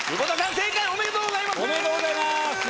正解おめでとうございます！